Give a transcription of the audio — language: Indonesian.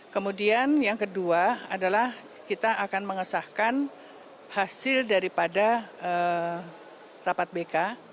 kemudian yang kedua adalah kita akan mengesahkan hasil daripada rapat bk